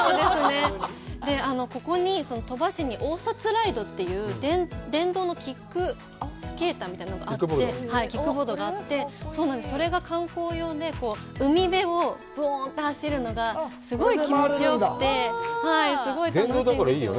この鳥羽市に相差ライドという電動のキックスケーターみたいなのがあって、キックボードがあって、それが観光用で、海辺をブーンと走るのがすごい気持ちよくて、すごい楽しいんですよ。